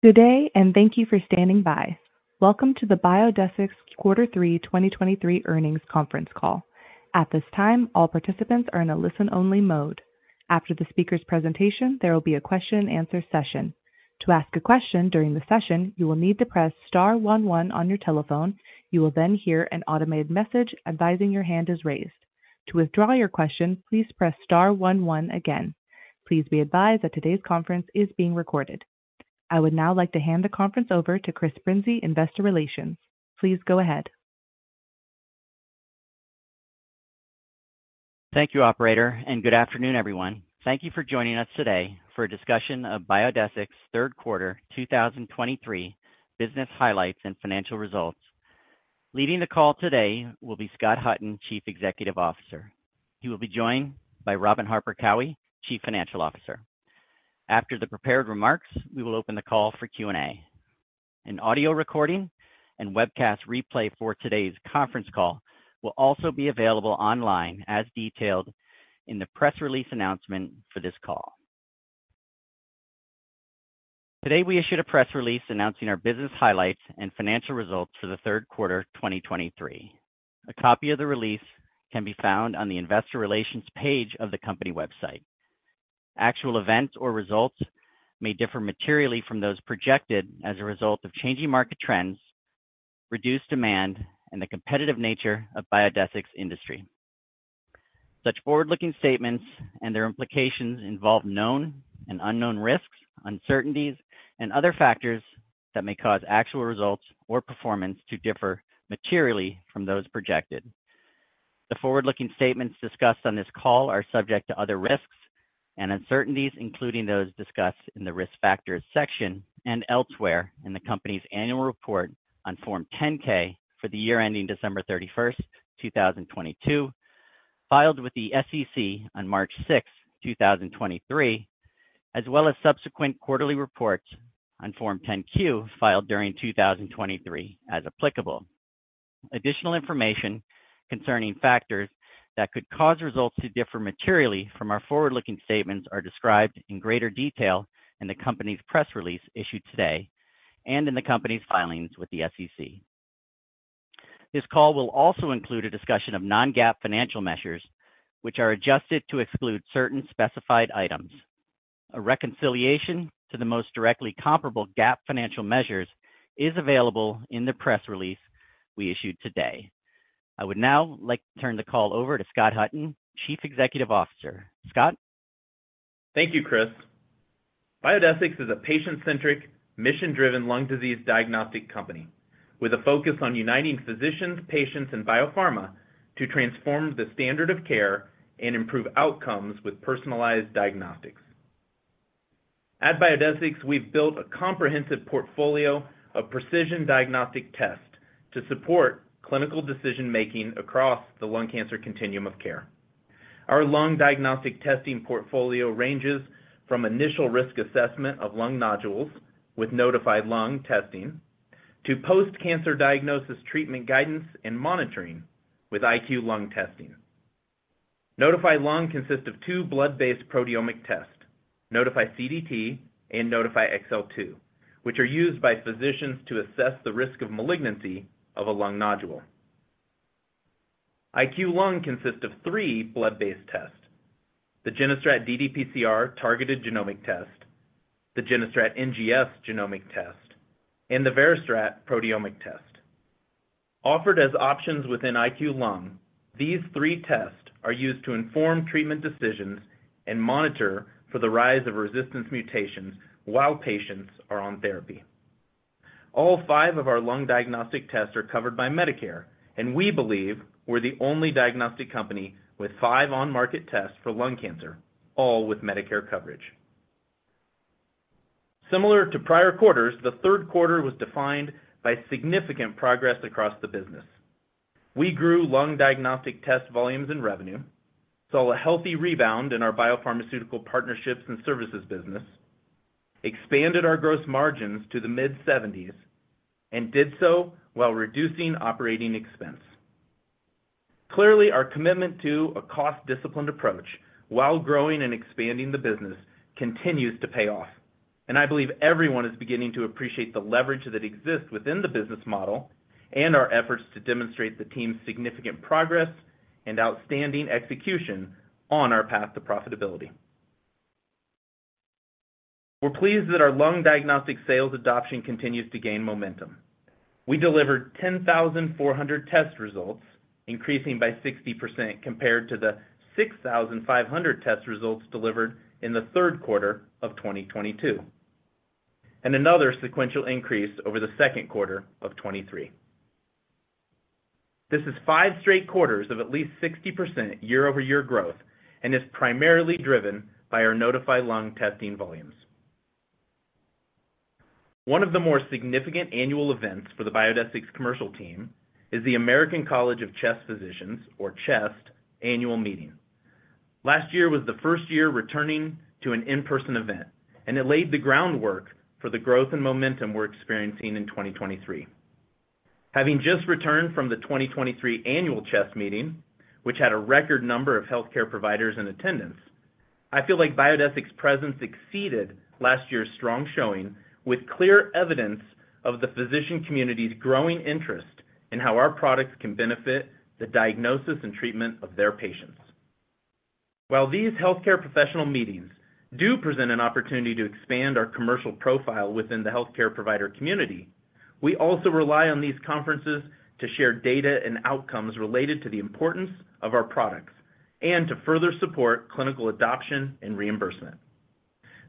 Good day, and thank you for standing by. Welcome to the Biodesix Quarter Three 2023 Earnings Conference Call. At this time, all participants are in a listen-only mode. After the speaker's presentation, there will be a question-and-answer session. To ask a question during the session, you will need to press star one one on your telephone. You will then hear an automated message advising your hand is raised. To withdraw your question, please press star one one again. Please be advised that today's conference is being recorded. I would now like to hand the conference over to Chris Brinzey, Investor Relations. Please go ahead. Thank you, operator, and good afternoon, everyone. Thank you for joining us today for a discussion of Biodesix's third quarter 2023 business highlights and financial results. Leading the call today will be Scott Hutton, Chief Executive Officer. He will be joined by Robin Harper Cowie, Chief Financial Officer. After the prepared remarks, we will open the call for Q and A. An audio recording and webcast replay for today's conference call will also be available online, as detailed in the press release announcement for this call. Today, we issued a press release announcing our business highlights and financial results for the third quarter 2023. A copy of the release can be found on the investor relations page of the company website. Actual events or results may differ materially from those projected as a result of changing market trends, reduced demand, and the competitive nature of Biodesix's industry. Such forward-looking statements and their implications involve known and unknown risks, uncertainties, and other factors that may cause actual results or performance to differ materially from those projected. The forward-looking statements discussed on this call are subject to other risks and uncertainties, including those discussed in the Risk Factors section and elsewhere in the company's annual report on Form 10-K for the year ending December 31, 2022, filed with the SEC on March 6, 2023, as well as subsequent quarterly reports on Form 10-Q, filed during 2023, as applicable. Additional information concerning factors that could cause results to differ materially from our forward-looking statements are described in greater detail in the company's press release issued today and in the company's filings with the SEC. This call will also include a discussion of non-GAAP financial measures, which are adjusted to exclude certain specified items. A reconciliation to the most directly comparable GAAP financial measures is available in the press release we issued today. I would now like to turn the call over to Scott Hutton, Chief Executive Officer. Scott? Thank you, Chris. Biodesix is a patient-centric, mission-driven lung disease diagnostic company with a focus on uniting physicians, patients, and biopharma to transform the standard of care and improve outcomes with personalized diagnostics. At Biodesix, we've built a comprehensive portfolio of precision diagnostic tests to support clinical decision-making across the lung cancer continuum of care. Our lung diagnostic testing portfolio ranges from initial risk assessment of lung nodules with Nodify Lung testing to post-cancer diagnosis, treatment, guidance, and monitoring with IQLung testing. Nodify Lung consists of two blood-based proteomic tests, Nodify CDT and Nodify XL2, which are used by physicians to assess the risk of malignancy of a lung nodule. IQLung consists of three blood-based tests: the GeneStrat ddPCR targeted genomic test, the GeneStrat NGS genomic test, and the VeriStrat proteomic test. Offered as options within IQLung, these three tests are used to inform treatment decisions and monitor for the rise of resistance mutations while patients are on therapy. All five of our lung diagnostic tests are covered by Medicare, and we believe we're the only diagnostic company with five on-market tests for lung cancer, all with Medicare coverage. Similar to prior quarters, the third quarter was defined by significant progress across the business. We grew lung diagnostic test volumes and revenue, saw a healthy rebound in our biopharmaceutical partnerships and services business, expanded our gross margins to the mid-70s%, and did so while reducing operating expense. Clearly, our commitment to a cost-disciplined approach while growing and expanding the business continues to pay off, and I believe everyone is beginning to appreciate the leverage that exists within the business model and our efforts to demonstrate the team's significant progress and outstanding execution on our path to profitability. We're pleased that our lung diagnostic sales adoption continues to gain momentum. We delivered 10,400 test results, increasing by 60% compared to the 6,500 test results delivered in the third quarter of 2022, and another sequential increase over the second quarter of 2023. This is five straight quarters of at least 60% year-over-year growth and is primarily driven by our Nodify Lung testing volumes. One of the more significant annual events for the Biodesix commercial team is the American College of Chest Physicians, or CHEST, annual meeting. Last year was the first year returning to an in-person event, and it laid the groundwork for the growth and momentum we're experiencing in 2023. Having just returned from the 2023 Annual CHEST Meeting, which had a record number of healthcare providers in attendance, I feel like Biodesix's presence exceeded last year's strong showing, with clear evidence of the physician community's growing interest in how our products can benefit the diagnosis and treatment of their patients. While these healthcare professional meetings do present an opportunity to expand our commercial profile within the healthcare provider community, we also rely on these conferences to share data and outcomes related to the importance of our products and to further support clinical adoption and reimbursement.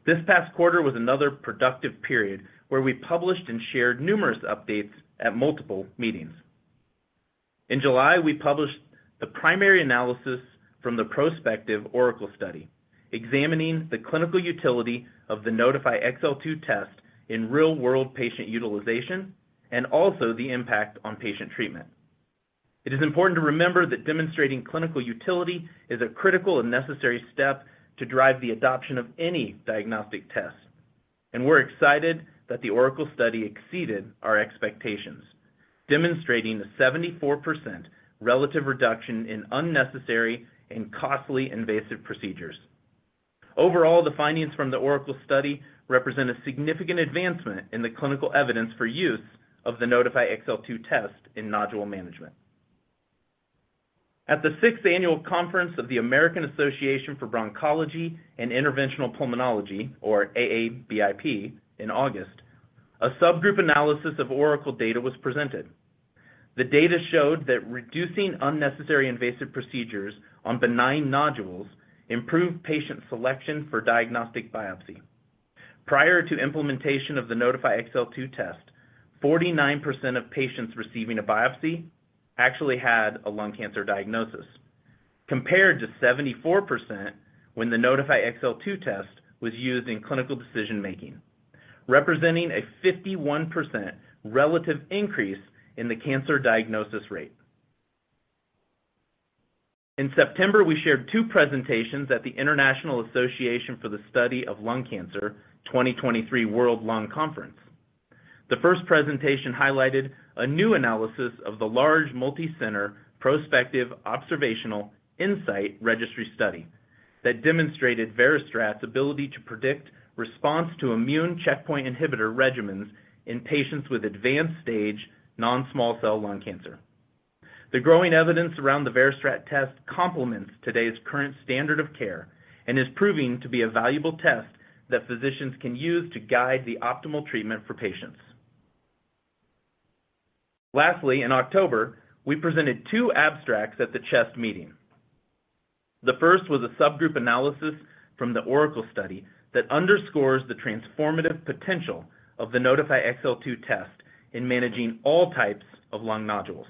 This past quarter was another productive period, where we published and shared numerous updates at multiple meetings. In July, we published the primary analysis from the prospective ORACLE study, examining the clinical utility of the Nodify XL2 test in real-world patient utilization and also the impact on patient treatment. It is important to remember that demonstrating clinical utility is a critical and necessary step to drive the adoption of any diagnostic test, and we're excited that the ORACLE study exceeded our expectations, demonstrating a 74% relative reduction in unnecessary and costly invasive procedures. Overall, the findings from the ORACLE study represent a significant advancement in the clinical evidence for use of the Nodify XL2 test in nodule management. At the 6th Annual Conference of the American Association for Bronchology and Interventional Pulmonology, or AABIP, in August, a subgroup analysis of ORACLE data was presented. The data showed that reducing unnecessary invasive procedures on benign nodules improved patient selection for diagnostic biopsy. Prior to implementation of the Nodify XL2 test, 49% of patients receiving a biopsy actually had a lung cancer diagnosis, compared to 74% when the Nodify XL2 test was used in clinical decision-making, representing a 51% relative increase in the cancer diagnosis rate. In September, we shared two presentations at the International Association for the Study of Lung Cancer, 2023 World Lung Conference. The first presentation highlighted a new analysis of the large, multicenter, prospective, observational, INSIGHT Registry study that demonstrated VeriStrat's ability to predict response to immune checkpoint inhibitor regimens in patients with advanced stage non-small cell lung cancer. The growing evidence around the VeriStrat test complements today's current standard of care and is proving to be a valuable test that physicians can use to guide the optimal treatment for patients. Lastly, in October, we presented two abstracts at the CHEST Meeting. The first was a subgroup analysis from the ORACLE study that underscores the transformative potential of the Nodify XL2 test in managing all types of lung nodules.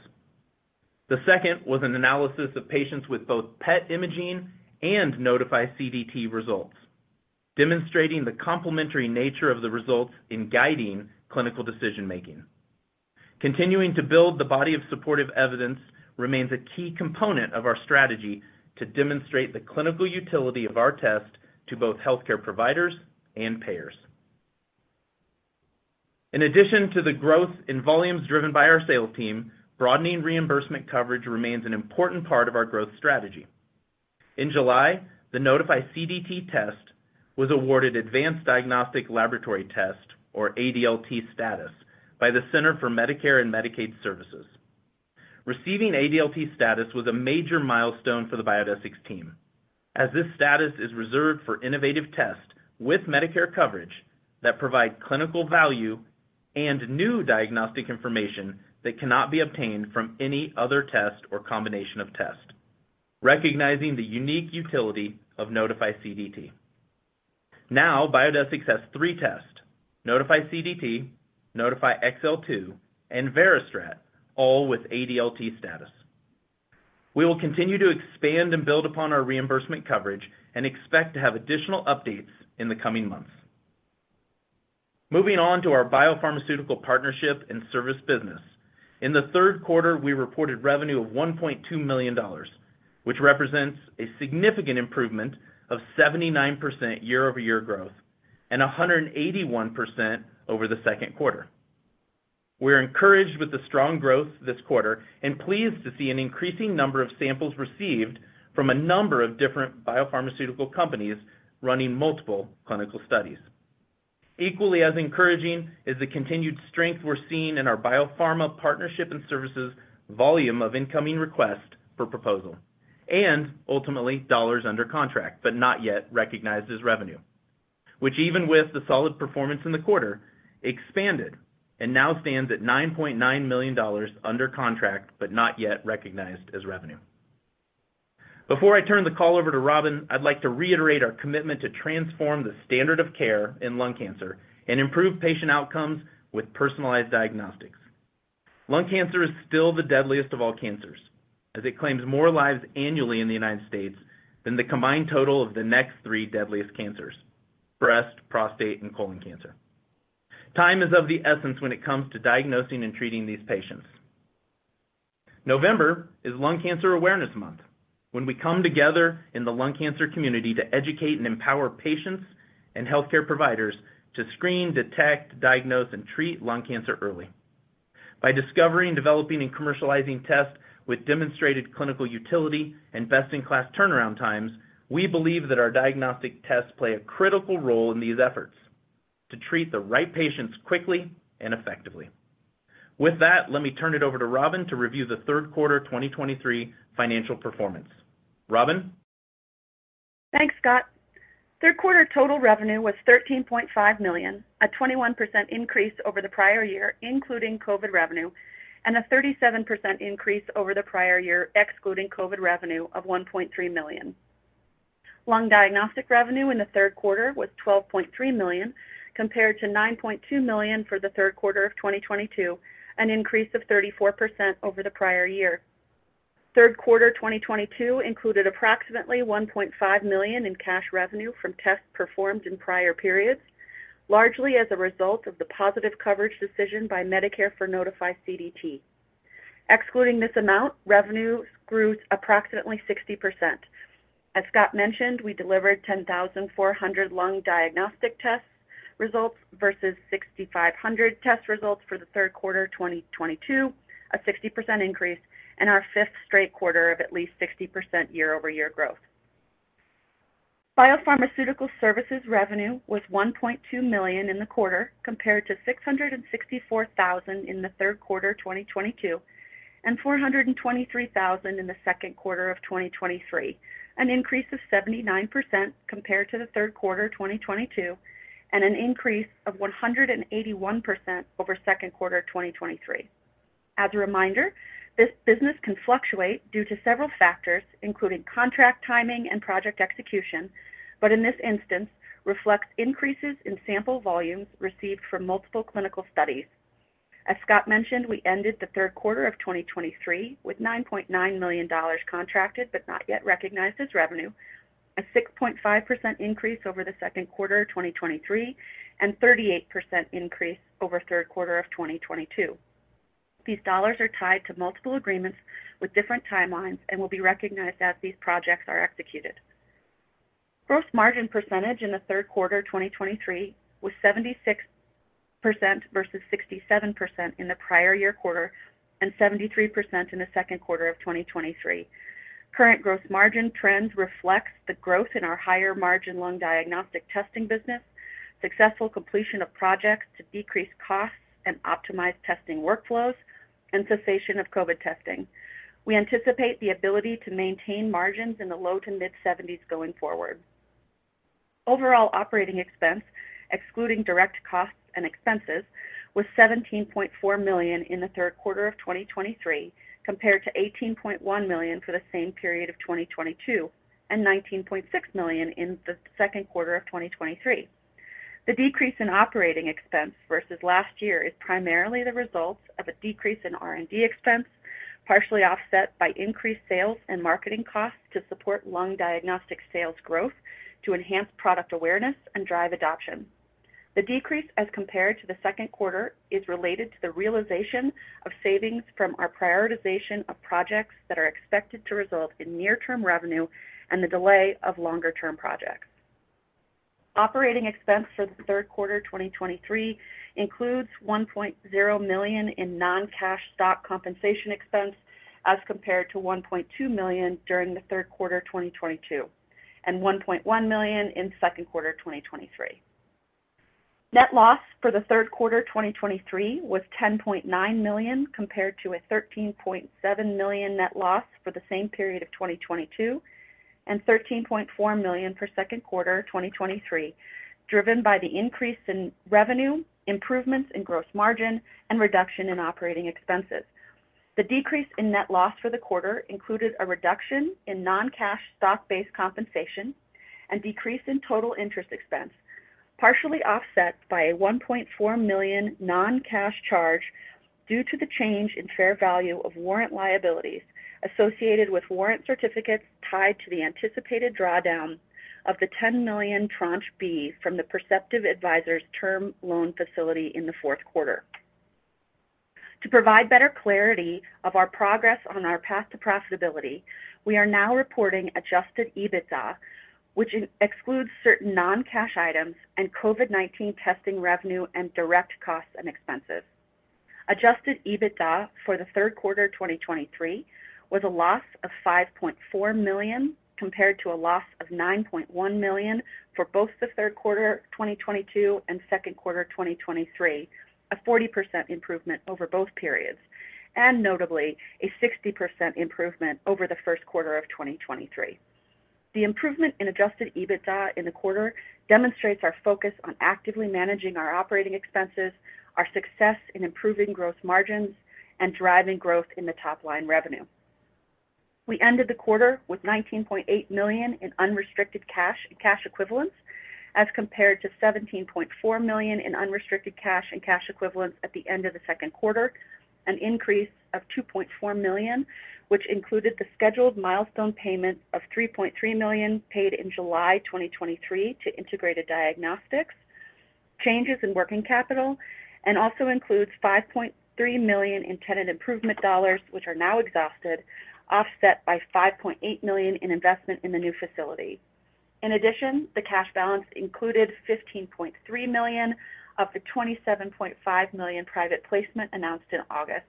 The second was an analysis of patients with both PET imaging and Nodify CDT results, demonstrating the complementary nature of the results in guiding clinical decision-making. Continuing to build the body of supportive evidence remains a key component of our strategy to demonstrate the clinical utility of our test to both healthcare providers and payers. In addition to the growth in volumes driven by our sales team, broadening reimbursement coverage remains an important part of our growth strategy. In July, the Nodify CDT test was awarded Advanced Diagnostic Laboratory Test, or ADLT, status by the Centers for Medicare and Medicaid Services. Receiving ADLT status was a major milestone for the Biodesix team, as this status is reserved for innovative tests with Medicare coverage that provide clinical value and new diagnostic information that cannot be obtained from any other test or combination of tests, recognizing the unique utility of Nodify CDT. Now, Biodesix has three tests, Nodify CDT, Nodify XL2, and VeriStrat, all with ADLT status. We will continue to expand and build upon our reimbursement coverage and expect to have additional updates in the coming months. Moving on to our biopharmaceutical partnership and service business. In the third quarter, we reported revenue of $1.2 million, which represents a significant improvement of 79% year-over-year growth and 181% over the second quarter. We're encouraged with the strong growth this quarter and pleased to see an increasing number of samples received from a number of different biopharmaceutical companies running multiple clinical studies. Equally as encouraging is the continued strength we're seeing in our biopharma partnership and services volume of incoming requests for proposal, and ultimately, dollars under contract, but not yet recognized as revenue, which even with the solid performance in the quarter, expanded and now stands at $9.9 million under contract, but not yet recognized as revenue. Before I turn the call over to Robin, I'd like to reiterate our commitment to transform the standard of care in lung cancer and improve patient outcomes with personalized diagnostics. Lung cancer is still the deadliest of all cancers, as it claims more lives annually in the United States than the combined total of the next three deadliest cancers: breast, prostate, and colon cancer. Time is of the essence when it comes to diagnosing and treating these patients. November is Lung Cancer Awareness Month, when we come together in the lung cancer community to educate and empower patients and healthcare providers to screen, detect, diagnose, and treat lung cancer early. By discovering, developing, and commercializing tests with demonstrated clinical utility and best-in-class turnaround times, we believe that our diagnostic tests play a critical role in these efforts to treat the right patients quickly and effectively. With that, let me turn it over to Robin to review the third quarter 2023 financial performance. Robin? Thanks, Scott. Third quarter total revenue was $13.5 million, a 21% increase over the prior year, including COVID revenue, and a 37% increase over the prior year, excluding COVID revenue of $1.3 million. Lung diagnostic revenue in the third quarter was $12.3 million, compared to $9.2 million for the third quarter of 2022, an increase of 34% over the prior year. Third quarter 2022 included approximately $1.5 million in cash revenue from tests performed in prior periods, largely as a result of the positive coverage decision by Medicare for Nodify CDT. Excluding this amount, revenue grew approximately 60%. As Scott mentioned, we delivered 10,400 lung diagnostic test results versus 6,500 test results for the third quarter 2022, a 60% increase and our 5th straight quarter of at least 60% year-over-year growth. Biopharmaceutical Services revenue was $1.2 million in the quarter, compared to $664,000 in the third quarter 2022, and $423,000 in the second quarter of 2023, an increase of 79% compared to the third quarter 2022, and an increase of 181% over second quarter 2023. As a reminder, this business can fluctuate due to several factors, including contract timing and project execution, but in this instance, reflects increases in sample volumes received from multiple clinical studies. As Scott mentioned, we ended the third quarter of 2023 with $9.9 million contracted, but not yet recognized as revenue, a $6.5 million increase over the second quarter of 2023, and 38% increase over third quarter of 2022. These dollars are tied to multiple agreements with different timelines and will be recognized as these projects are executed. Gross margin percentage in the third quarter 2023 was 76% versus 67% in the prior year quarter, and 73% in the second quarter of 2023. Current gross margin trends reflects the growth in our higher-margin lung diagnostic testing business, successful completion of projects to decrease costs and optimize testing workflows, and cessation of COVID testing. We anticipate the ability to maintain margins in the low to mid-70s going forward. Overall operating expense, excluding direct costs and expenses, was $17.4 million in the third quarter of 2023, compared to $18.1 million for the same period of 2022, and $19.6 million in the second quarter of 2023. The decrease in operating expense versus last year is primarily the result of a decrease in R&D expense, partially offset by increased sales and marketing costs to support lung diagnostic sales growth, to enhance product awareness and drive adoption. The decrease as compared to the second quarter, is related to the realization of savings from our prioritization of projects that are expected to result in near-term revenue and the delay of longer-term projects. Operating expenses for the third quarter 2023 includes $1.0 million in non-cash stock compensation expense, as compared to $1.2 million during the third quarter 2022, and $1.1 million in second quarter 2023. Net loss for the third quarter 2023 was $10.9 million, compared to a $13.7 million net loss for the same period of 2022, and $13.4 million for second quarter 2023, driven by the increase in revenue, improvements in gross margin, and reduction in operating expenses. The decrease in net loss for the quarter included a reduction in non-cash stock-based compensation and decrease in total interest expense, partially offset by a $1.4 million non-cash charge due to the change in fair value of warrant liabilities associated with warrant certificates tied to the anticipated drawdown of the $10 million Tranche B from the Perceptive Advisors term loan facility in the fourth quarter. To provide better clarity of our progress on our path to profitability, we are now reporting Adjusted EBITDA, which excludes certain non-cash items and COVID-19 testing revenue and direct costs and expenses. Adjusted EBITDA for the third quarter 2023 was a loss of $5.4 million, compared to a loss of $9.1 million for both the third quarter 2022 and second quarter 2023, a 40% improvement over both periods, and notably, a 60% improvement over the first quarter of 2023. The improvement in Adjusted EBITDA in the quarter demonstrates our focus on actively managing our operating expenses, our success in improving gross margins, and driving growth in the top-line revenue. We ended the quarter with $19.8 million in unrestricted cash and cash equivalents, as compared to $17.4 million in unrestricted cash and cash equivalents at the end of the second quarter, an increase of $2.4 million, which included the scheduled milestone payment of $3.3 million paid in July 2023 to Integrated Diagnostics. Changes in working capital and also includes $5.3 million in tenant improvement dollars, which are now exhausted, offset by $5.8 million in investment in the new facility. In addition, the cash balance included $15.3 million of the $27.5 million private placement announced in August.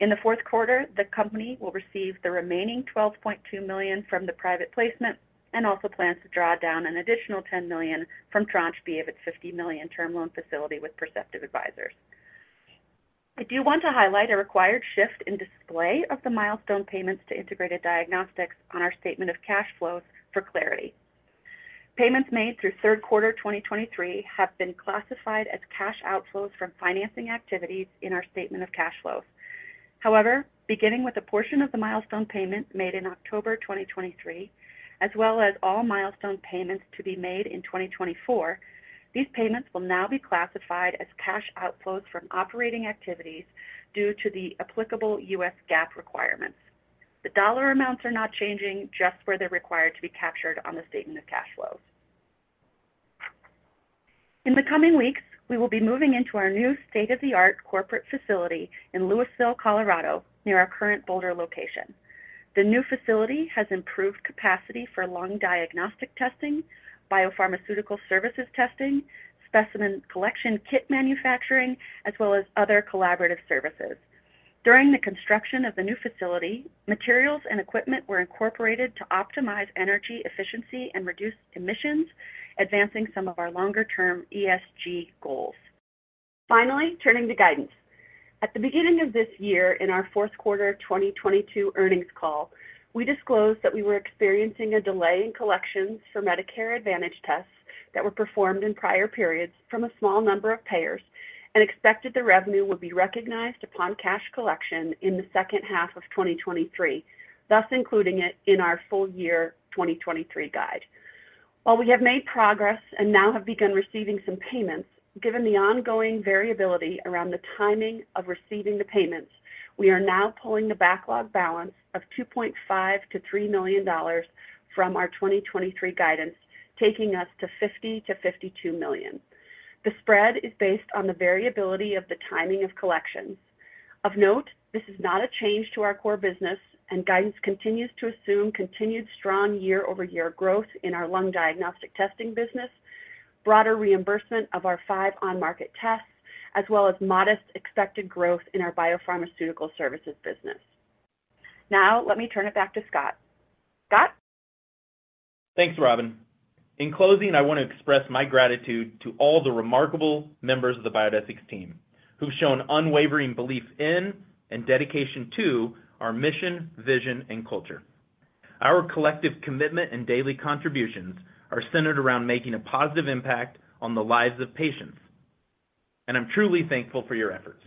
In the fourth quarter, the company will receive the remaining $12.2 million from the private placement and also plans to draw down an additional $10 million from Tranche B of its $50 million term loan facility with Perceptive Advisors. I do want to highlight a required shift in display of the milestone payments to Integrated Diagnostics on our statement of cash flows for clarity. Payments made through third quarter 2023 have been classified as cash outflows from financing activities in our statement of cash flows. However, beginning with a portion of the milestone payments made in October 2023, as well as all milestone payments to be made in 2024, these payments will now be classified as cash outflows from operating activities due to the applicable U.S. GAAP requirements. The dollar amounts are not changing, just where they're required to be captured on the statement of cash flows. In the coming weeks, we will be moving into our new state-of-the-art corporate facility in Louisville, Colorado, near our current Boulder location. The new facility has improved capacity for lung diagnostic testing, biopharmaceutical services testing, specimen collection, kit manufacturing, as well as other collaborative services. During the construction of the new facility, materials and equipment were incorporated to optimize energy efficiency and reduce emissions, advancing some of our longer-term ESG goals. Finally, turning to guidance. At the beginning of this year, in our fourth quarter 2022 earnings call, we disclosed that we were experiencing a delay in collections for Medicare Advantage tests that were performed in prior periods from a small number of payers and expected the revenue would be recognized upon cash collection in the second half of 2023, thus including it in our full year 2023 guide. While we have made progress and now have begun receiving some payments, given the ongoing variability around the timing of receiving the payments, we are now pulling the backlog balance of $2.5 million-$3 million from our 2023 guidance, taking us to $50 million-$52 million. The spread is based on the variability of the timing of collections. Of note, this is not a change to our core business, and guidance continues to assume continued strong year-over-year growth in our lung diagnostic testing business, broader reimbursement of our five on-market tests, as well as modest expected growth in our biopharmaceutical services business. Now, let me turn it back to Scott. Scott? Thanks, Robin. In closing, I want to express my gratitude to all the remarkable members of the Biodesix team who've shown unwavering belief in and dedication to our mission, vision, and culture. Our collective commitment and daily contributions are centered around making a positive impact on the lives of patients, and I'm truly thankful for your efforts.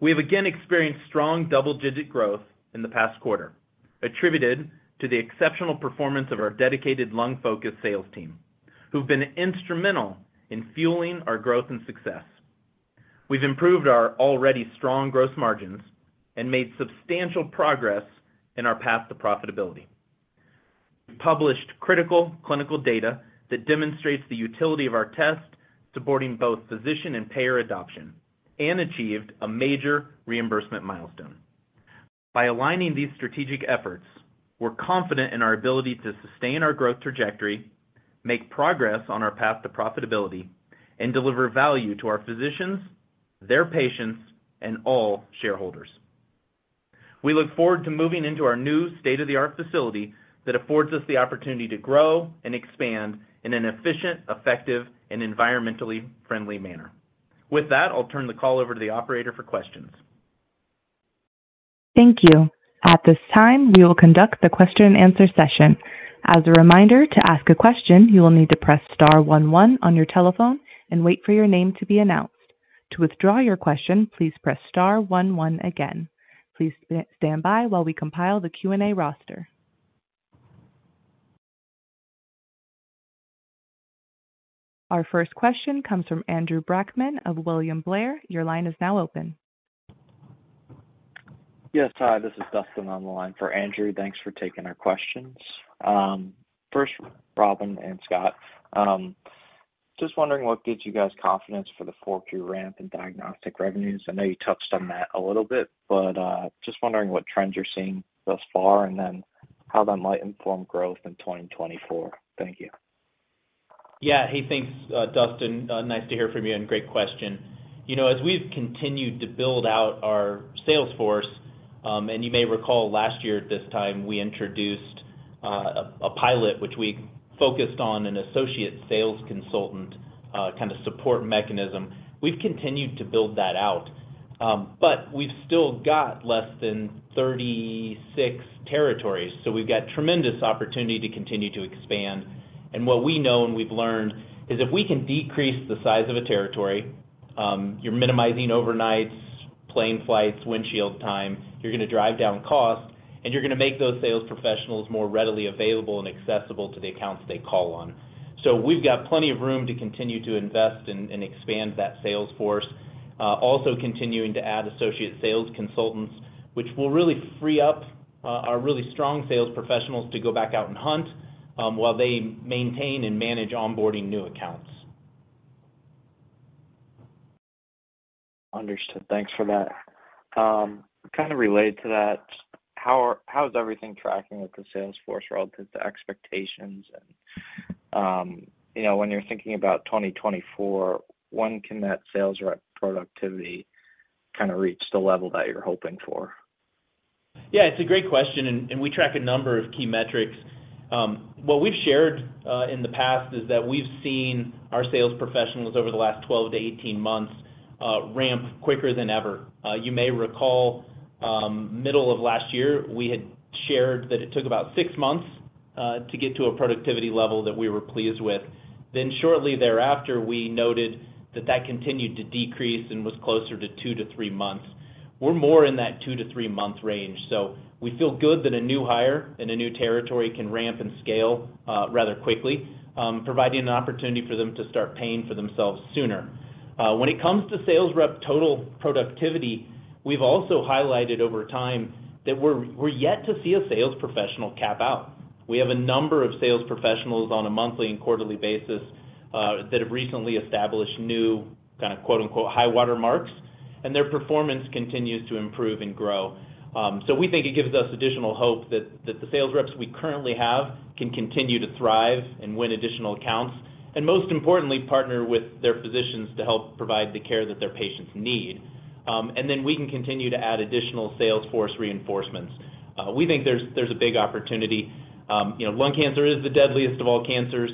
We have again experienced strong double-digit growth in the past quarter, attributed to the exceptional performance of our dedicated lung-focused sales team, who've been instrumental in fueling our growth and success. We've improved our already strong gross margins and made substantial progress in our path to profitability. We published critical clinical data that demonstrates the utility of our test, supporting both physician and payer adoption, and achieved a major reimbursement milestone. By aligning these strategic efforts, we're confident in our ability to sustain our growth trajectory, make progress on our path to profitability, and deliver value to our physicians, their patients, and all shareholders. We look forward to moving into our new state-of-the-art facility that affords us the opportunity to grow and expand in an efficient, effective, and environmentally friendly manner. With that, I'll turn the call over to the operator for questions. Thank you. At this time, we will conduct the question-and-answer session. As a reminder, to ask a question, you will need to press star one one on your telephone and wait for your name to be announced. To withdraw your question, please press star one one again. Please stand by while we compile the Q and A roster. Our first question comes from Andrew Brackmann of William Blair. Your line is now open. Yes, hi, this is Dustin on the line for Andrew. Thanks for taking our questions. First, Robin and Scott, just wondering what gives you guys confidence for the 4Q ramp in diagnostic revenues. I know you touched on that a little bit, but, just wondering what trends you're seeing thus far and then how that might inform growth in 2024. Thank you. Yeah. Hey, thanks, Dustin. Nice to hear from you and great question. You know, as we've continued to build out our sales force, and you may recall last year at this time, we introduced a pilot, which we focused on an associate sales consultant kind of support mechanism. We've continued to build that out, but we've still got less than 36 territories, so we've got tremendous opportunity to continue to expand. And what we know and we've learned is if we can decrease the size of a territory, you're minimizing overnights, plane flights, windshield time, you're going to drive down cost, and you're going to make those sales professionals more readily available and accessible to the accounts they call on. So we've got plenty of room to continue to invest and expand that sales force, also continuing to add associate sales consultants, which will really free up our really strong sales professionals to go back out and hunt, while they maintain and manage onboarding new accounts. Understood. Thanks for that. Kind of related to that, how is everything tracking with the sales force relative to expectations? And, you know, when you're thinking about 2024, when can that sales rep productivity kind of reach the level that you're hoping for? Yeah, it's a great question, and we track a number of key metrics. What we've shared in the past is that we've seen our sales professionals over the last 12-18 months ramp quicker than ever. You may recall, middle of last year, we had shared that it took about six months to get to a productivity level that we were pleased with. Then shortly thereafter, we noted that that continued to decrease and was closer to 2-3 months. We're more in that 2-3-month range. So we feel good that a new hire in a new territory can ramp and scale rather quickly, providing an opportunity for them to start paying for themselves sooner. When it comes to sales rep total productivity, we've also highlighted over time that we're yet to see a sales professional cap out. We have a number of sales professionals on a monthly and quarterly basis that have recently established new kind of, quote, unquote, “high water marks,” and their performance continues to improve and grow. So we think it gives us additional hope that the sales reps we currently have can continue to thrive and win additional accounts, and most importantly, partner with their physicians to help provide the care that their patients need. And then we can continue to add additional sales force reinforcements. We think there's a big opportunity. You know, lung cancer is the deadliest of all cancers.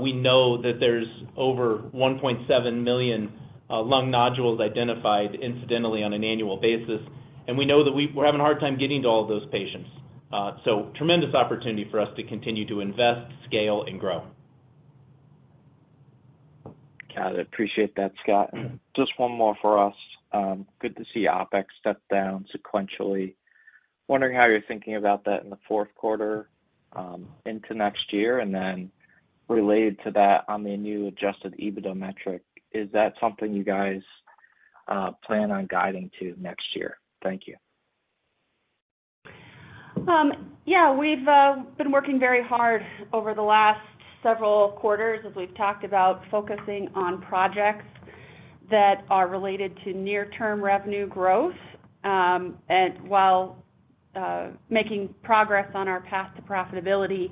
We know that there's over 1.7 million lung nodules identified incidentally on an annual basis, and we know that we're having a hard time getting to all of those patients. So tremendous opportunity for us to continue to invest, scale, and grow. Got it. Appreciate that, Scott. Just one more for us. Good to see OpEx step down sequentially. Wondering how you're thinking about that in the fourth quarter, into next year. And then related to that, on the new Adjusted EBITDA metric, is that something you guys plan on guiding to next year? Thank you. Yeah, we've been working very hard over the last several quarters, as we've talked about, focusing on projects that are related to near-term revenue growth, and while making progress on our path to profitability.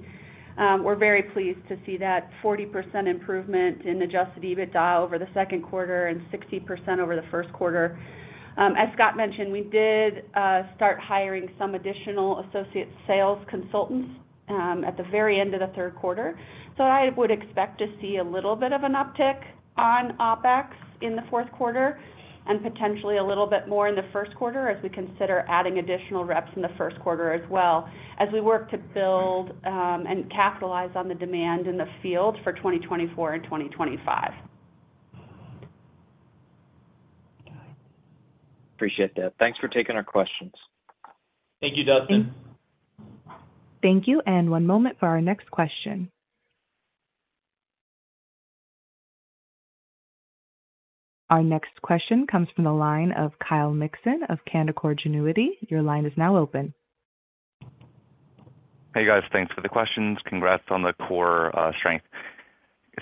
We're very pleased to see that 40% improvement in Adjusted EBITDA over the second quarter and 60% over the first quarter. As Scott mentioned, we did start hiring some additional associate sales consultants at the very end of the third quarter. So I would expect to see a little bit of an uptick on OpEx in the fourth quarter and potentially a little bit more in the first quarter, as we consider adding additional reps in the first quarter as well, as we work to build and capitalize on the demand in the field for 2024 and 2025. Got it. Appreciate that. Thanks for taking our questions. Thank you, Dustin. Thank. Thank you, and one moment for our next question. Our next question comes from the line of Kyle Mixon of Canaccord Genuity. Your line is now open. Hey, guys. Thanks for the questions. Congrats on the core strength.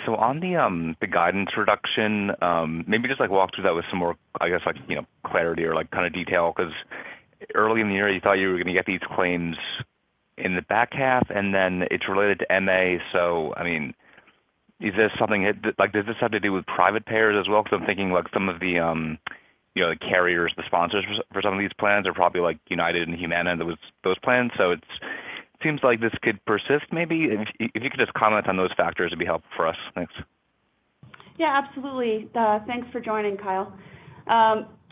So on the guidance reduction, maybe just, like, walk through that with some more, I guess, like, you know, clarity or, like, kind of detail, 'cause early in the year, you thought you were gonna get these claims in the back half, and then it's related to MA. So I mean, is this something that- like, does this have to do with private payers as well? Because I'm thinking, like, some of the, you know, the carriers, the sponsors for, for some of these plans are probably like United and Humana, those plans. So it's- seems like this could persist maybe. If you could just comment on those factors, it'd be helpful for us. Thanks. Yeah, absolutely. Thanks for joining, Kyle.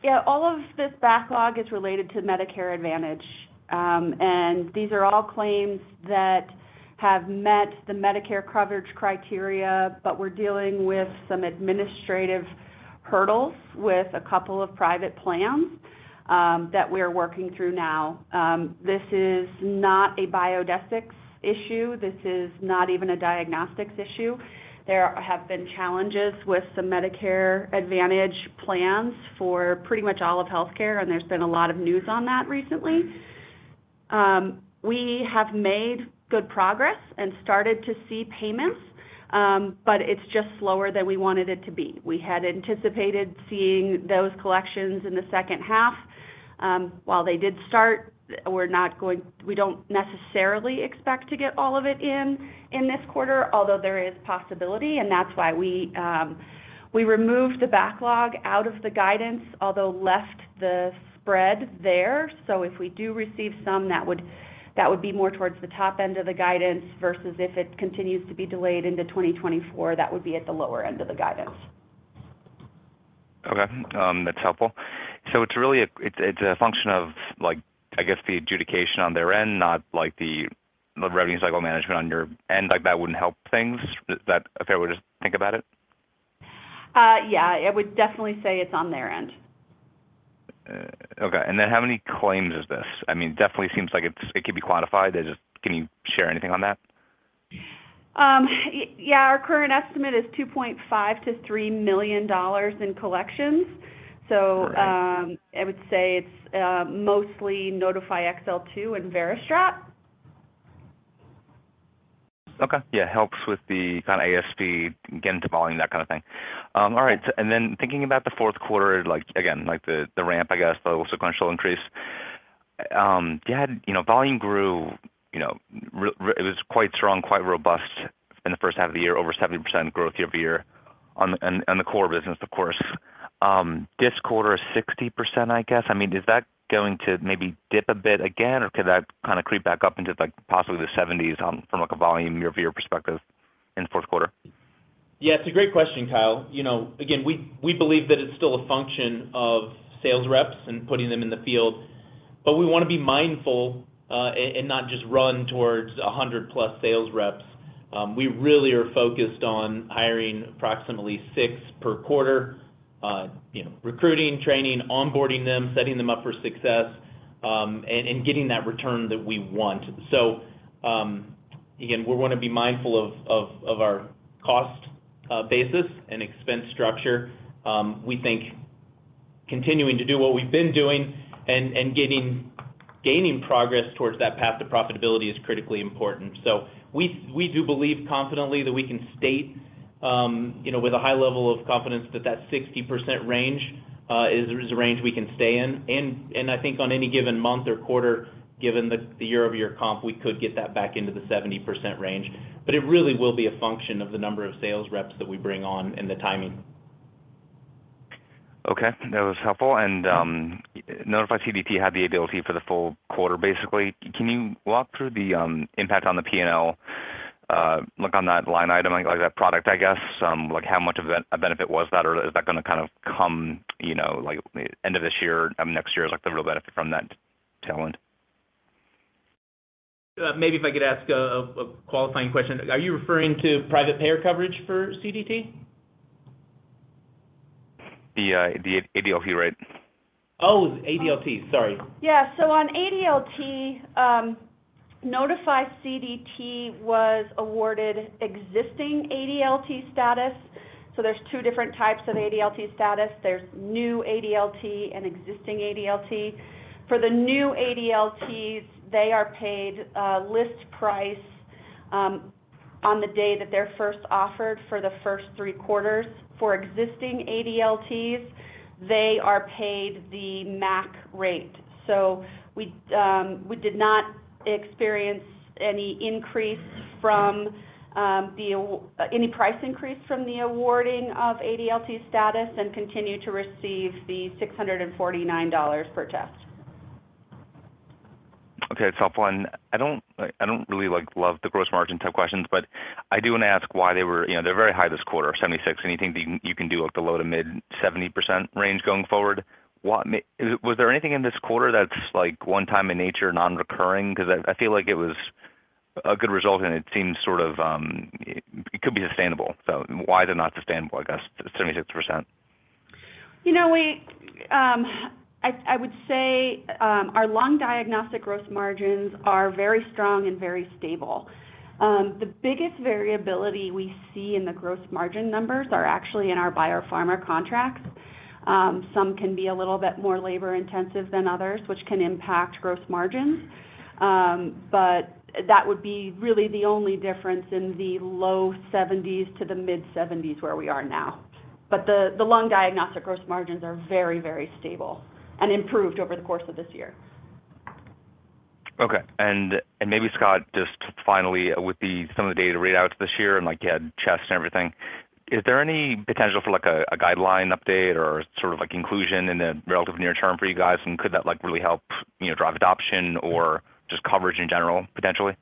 Yeah, all of this backlog is related to Medicare Advantage. These are all claims that have met the Medicare coverage criteria, but we're dealing with some administrative hurdles with a couple of private plans that we're working through now. This is not a Biodesix issue. This is not even a diagnostics issue. There have been challenges with some Medicare Advantage plans for pretty much all of healthcare, and there's been a lot of news on that recently. We have made good progress and started to see payments, but it's just slower than we wanted it to be. We had anticipated seeing those collections in the second half. While they did start, we're not going—we don't necessarily expect to get all of it in this quarter, although there is possibility, and that's why we, we removed the backlog out of the guidance, although left the spread there. So if we do receive some, that would, that would be more towards the top end of the guidance versus if it continues to be delayed into 2024, that would be at the lower end of the guidance. Okay, that's helpful. So it's really a function of like, I guess, the adjudication on their end, not like the revenue cycle management on your end, like that wouldn't help things. Is that a fair way to think about it? Yeah, I would definitely say it's on their end. Okay. And then how many claims is this? I mean, definitely seems like it's- it could be quantified. Can you share anything on that? Yeah, our current estimate is $2.5 million-$3 million in collections. All right. So, I would say it's mostly Nodify XL2 and VeriStrat. Okay, yeah, helps with the kind of ASP get into volume, that kind of thing. All right, and then thinking about the fourth quarter, like, again, like, the ramp, I guess, the sequential increase. You know, volume grew, you know, it was quite strong, quite robust in the first half of the year, over 70% growth year-over-year on the core business, of course. This quarter, 60%, I guess. I mean, is that going to maybe dip a bit again, or could that kind of creep back up into, like, possibly the 70s, from, like, a volume year-over-year perspective in the fourth quarter? Yeah, it's a great question, Kyle. You know, again, we, we believe that it's still a function of sales reps and putting them in the field, but we wanna be mindful, and not just run towards 100+ sales reps. We really are focused on hiring approximately six per quarter, you know, recruiting, training, onboarding them, setting them up for success, and, and getting that return that we want. So, again, we wanna be mindful of our cost basis and expense structure. We think continuing to do what we've been doing and gaining progress towards that path to profitability is critically important. So we, we do believe confidently that we can state, you know, with a high level of confidence, that 60 percent range is a range we can stay in. I think on any given month or quarter, given the year-over-year comp, we could get that back into the 70% range. But it really will be a function of the number of sales reps that we bring on and the timing. Okay, that was helpful. And, Nodify CDT had the ADLT for the full quarter, basically. Can you walk through the impact on the PNL, like, on that line item, like, that product, I guess? Like, how much of a benefit was that, or is that gonna kind of come, you know, like, end of this year, I mean, next year, is, like, the real benefit from that ADLT? Maybe if I could ask a qualifying question. Are you referring to private payer coverage for CDT? The, the ADLT rate. Oh, ADLT. Sorry. Yeah, so on ADLT, Nodify CDT was awarded existing ADLT status, so there's two different types of ADLT status. There's New ADLT and Existing ADLT. For the New ADLTs, they are paid, list price, on the day that they're first offered for the first three quarters. For Existing ADLTs, they are paid the MAC rate. So we did not experience any increase from any price increase from the awarding of ADLT status and continue to receive the $649 per test. Okay, it's helpful, and I don't, I don't really, like, love the gross margin type questions, but I do want to ask why they were. You know, they're very high this quarter, 76%. Anything that you can do, like, the low- to mid-70% range going forward? What ma—Was there anything in this quarter that's, like, one time in nature, non-recurring? Because I, I feel like it was a good result, and it seems sort of, it could be sustainable. So why they're not sustainable, I guess, the 76%? You know, I would say our lung diagnostic gross margins are very strong and very stable. The biggest variability we see in the gross margin numbers are actually in our biopharma contracts. Some can be a little bit more labor-intensive than others, which can impact gross margins. But that would be really the only difference in the low 70s to the mid-70s, where we are now. But the lung diagnostic gross margins are very, very stable and improved over the course of this year. Okay. And maybe, Scott, just finally, with some of the data readouts this year and, like, you had CHEST and everything, is there any potential for, like, a guideline update or sort of, like, inclusion in the relatively near term for you guys? And could that, like, really help, you know, drive adoption or just coverage in general, potentially?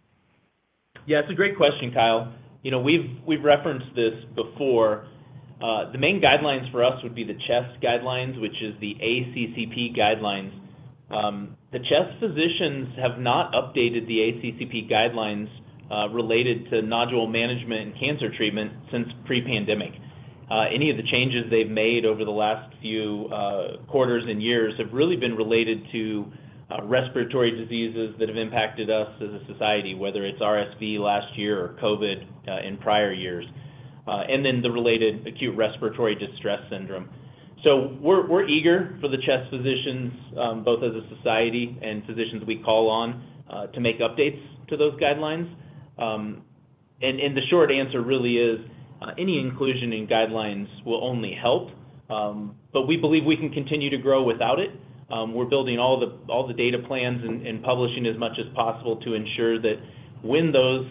Yeah, it's a great question, Kyle. You know, we've, we've referenced this before. The main guidelines for us would be the CHEST guidelines, which is the ACCP guidelines. The CHEST physicians have not updated the ACCP guidelines related to nodule management and cancer treatment since pre-pandemic. Any of the changes they've made over the last few quarters and years have really been related to respiratory diseases that have impacted us as a society, whether it's RSV last year or COVID in prior years and then the related acute respiratory distress syndrome. So we're, we're eager for the CHEST physicians both as a society and physicians we call on to make updates to those guidelines. The short answer really is, any inclusion in guidelines will only help, but we believe we can continue to grow without it. We're building all the data plans and publishing as much as possible to ensure that when those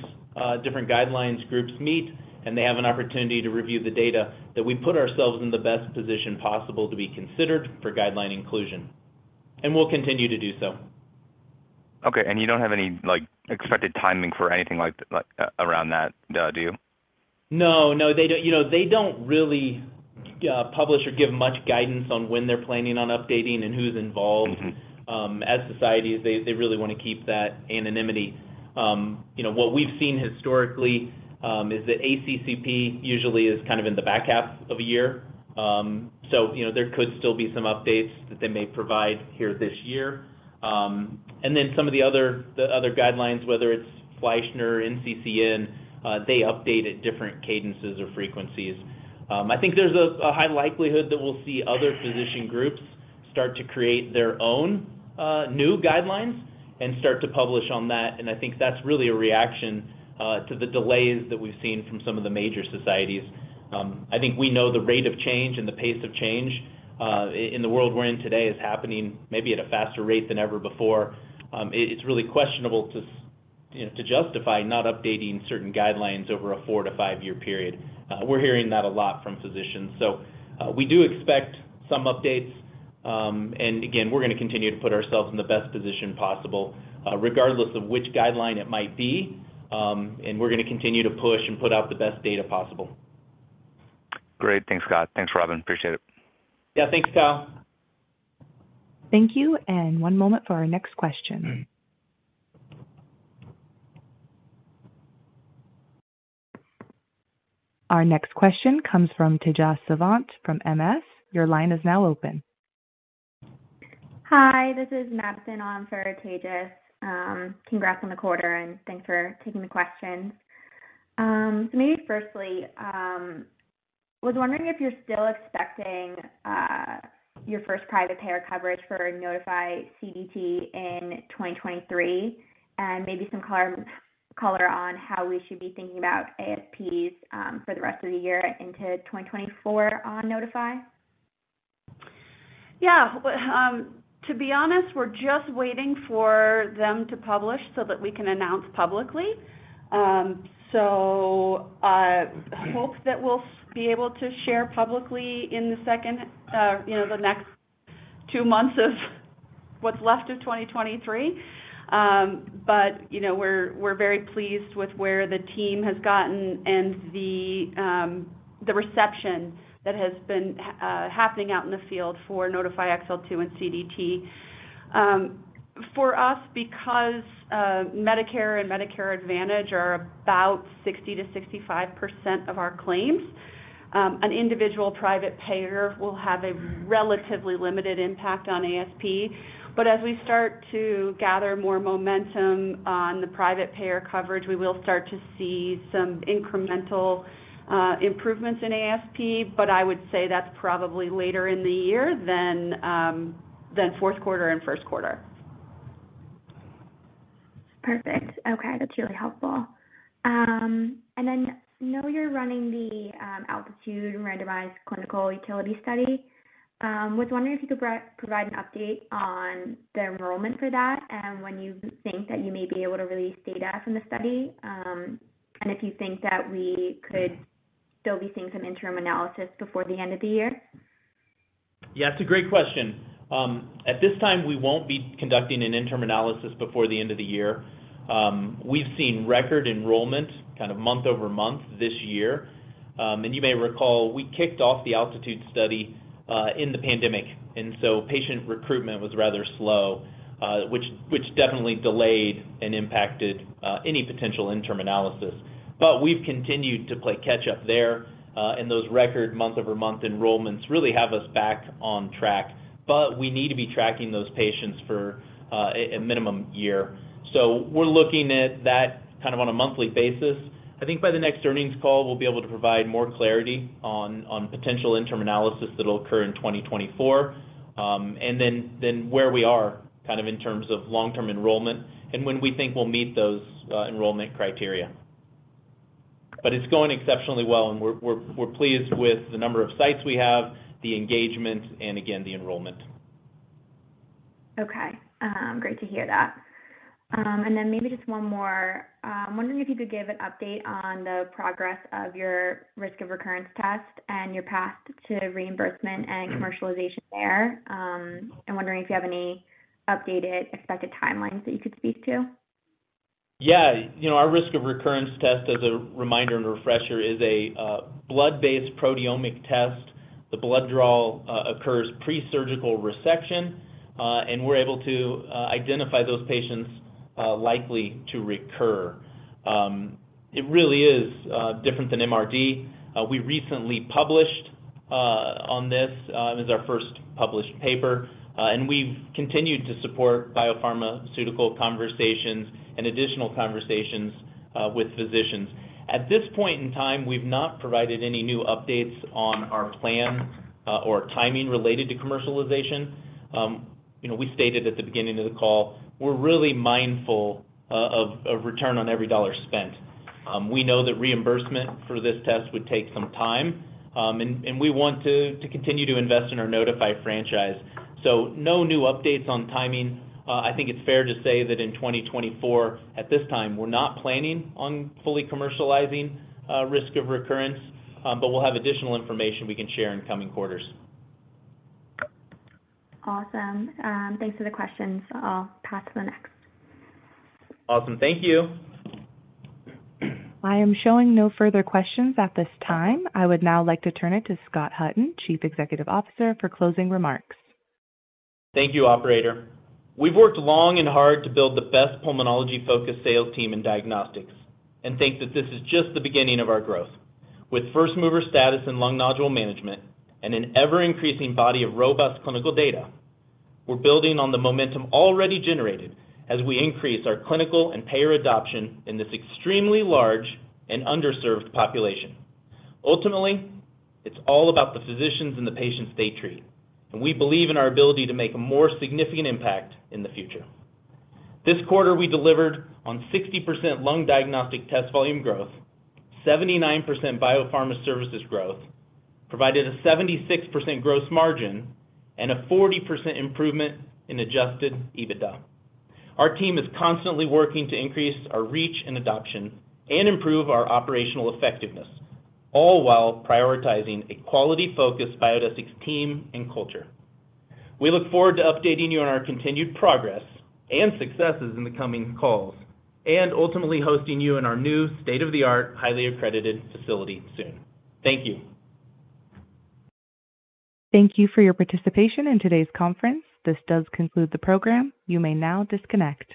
different guidelines groups meet, and they have an opportunity to review the data, that we put ourselves in the best position possible to be considered for guideline inclusion. We'll continue to do so. Okay, and you don't have any, like, expected timing for anything like, around that, do you? No, no, they don't. You know, they don't really publish or give much guidance on when they're planning on updating and who's involved. Mm-hmm. As societies, they really wanna keep that anonymity. You know, what we've seen historically, is that ACCP usually is kind of in the back half of a year. So, you know, there could still be some updates that they may provide here this year. And then some of the other, the other guidelines, whether it's Fleischner or NCCN, they update at different cadences or frequencies. I think there's a, a high likelihood that we'll see other physician groups start to create their own, new guidelines and start to publish on that. And I think that's really a reaction, to the delays that we've seen from some of the major societies. I think we know the rate of change and the pace of change in the world we're in today is happening maybe at a faster rate than ever before. It's really questionable to you know to justify not updating certain guidelines over a 4-5-year period. We're hearing that a lot from physicians. So we do expect some updates. And again, we're gonna continue to put ourselves in the best position possible, regardless of which guideline it might be, and we're gonna continue to push and put out the best data possible. Great. Thanks, Scott. Thanks, Robin. Appreciate it. Yeah. Thanks, Kyle. Thank you, and one moment for our next question. Our next question comes from Tejas Savant, from MS. Your line is now open. Hi, this is Madison on for Tejas. Congrats on the quarter, and thanks for taking the questions. Maybe firstly, was wondering if you're still expecting your first private payer coverage for Nodify CDT in 2023, and maybe some color on how we should be thinking about ASPs for the rest of the year into 2024 on Nodify? Yeah. Well, to be honest, we're just waiting for them to publish so that we can announce publicly. So I hope that we'll be able to share publicly in the second, you know, the next two months of what's left of 2023. But, you know, we're, we're very pleased with where the team has gotten and the, the reception that has been happening out in the field for Nodify XL2 and CDT. For us, because, Medicare and Medicare Advantage are about 60%-65% of our claims, an individual private payer will have a relatively limited impact on ASP. But as we start to gather more momentum on the private payer coverage, we will start to see some incremental improvements in ASP, but I would say that's probably later in the year than fourth quarter and first quarter. Perfect. Okay, that's really helpful. And then I know you're running the ALTITUDE randomized clinical utility study. Was wondering if you could provide an update on the enrollment for that, and when you think that you may be able to release data from the study, and if you think that we could still be seeing some interim analysis before the end of the year? Yeah, it's a great question. At this time, we won't be conducting an interim analysis before the end of the year. We've seen record enrollment kind of month-over-month this year. And you may recall, we kicked off the ALTITUDE study in the pandemic, and so patient recruitment was rather slow, which definitely delayed and impacted any potential interim analysis. But we've continued to play catch up there, and those record month-over-month enrollments really have us back on track. But we need to be tracking those patients for a minimum year. So we're looking at that kind of on a monthly basis. I think by the next earnings call, we'll be able to provide more clarity on potential interim analysis that'll occur in 2024, and then where we are kind of in terms of long-term enrollment and when we think we'll meet those enrollment criteria. But it's going exceptionally well, and we're pleased with the number of sites we have, the engagement, and again, the enrollment. Okay. Great to hear that. And then maybe just one more. I'm wondering if you could give an update on the progress of your risk of recurrence test and your path to reimbursement and commercialization there. I'm wondering if you have any updated expected timelines that you could speak to. Yeah. You know, our risk of recurrence test, as a reminder and refresher, is a blood-based proteomic test. The blood draw occurs pre-surgical resection, and we're able to identify those patients likely to recur. It really is different than MRD. We recently published on this, and it's our first published paper, and we've continued to support biopharmaceutical conversations and additional conversations with physicians. At this point in time, we've not provided any new updates on our plan or timing related to commercialization. You know, we stated at the beginning of the call, we're really mindful of return on every dollar spent. We know that reimbursement for this test would take some time, and we want to continue to invest in our Nodify franchise. So no new updates on timing. I think it's fair to say that in 2024, at this time, we're not planning on fully commercializing risk of recurrence, but we'll have additional information we can share in coming quarters. Awesome. Thanks for the questions. I'll pass to the next. Awesome. Thank you. I am showing no further questions at this time. I would now like to turn it to Scott Hutton, Chief Executive Officer, for closing remarks. Thank you, operator. We've worked long and hard to build the best pulmonology-focused sales team in diagnostics and think that this is just the beginning of our growth. With first-mover status in lung nodule management and an ever-increasing body of robust clinical data, we're building on the momentum already generated as we increase our clinical and payer adoption in this extremely large and underserved population. Ultimately, it's all about the physicians and the patients they treat, and we believe in our ability to make a more significant impact in the future. This quarter, we delivered on 60% lung diagnostic test volume growth, 79% biopharma services growth, provided a 76% gross margin, and a 40% improvement in Adjusted EBITDA. Our team is constantly working to increase our reach and adoption and improve our operational effectiveness, all while prioritizing a quality-focused Biodesix team and culture. We look forward to updating you on our continued progress and successes in the coming calls, and ultimately hosting you in our new state-of-the-art, highly accredited facility soon. Thank you. Thank you for your participation in today's conference. This does conclude the program. You may now disconnect.